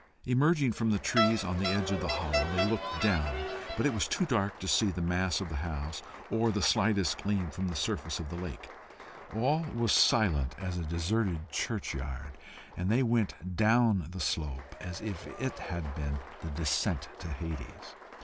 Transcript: Emerging from the trees on the edge of the hollow, they looked down, but it was too dark to see the mass of the house, or the slightest gleam from the surface of the lake. All was silent as a deserted churchyard, and they went down the slope as if it had been the descent to Hades.